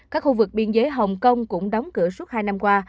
các khu vực biên giới hồng kông cũng đóng cửa suốt hai năm qua